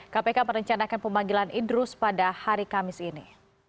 kpk merencanakan pemanggilan idrus pada hari kamis ini